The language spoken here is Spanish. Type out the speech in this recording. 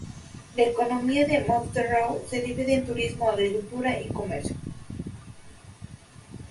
La economía de Montsoreau se divide entre turismo, agricultura y comercio.